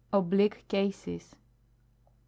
Oblique CaIses. 1.